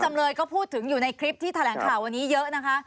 จำเลยก็พูดถึงอยู่ในคลิปที่แถลงข่าววันนี้เยอะนะคะ